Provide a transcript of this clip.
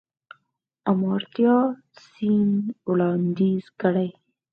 آمارتیا سېن وړانديز کړی.